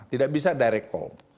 tidak bisa direct call